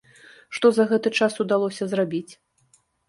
Што за гэты час удалося зрабіць?